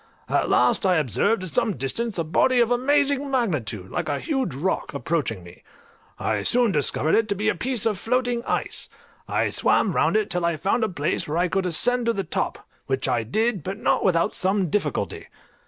At last I observed at some distance a body of amazing magnitude, like a huge rock, approaching me; I soon discovered it to be a piece of floating ice; I swam round it till I found a place where I could ascend to the top, which I did, but not without some difficulty.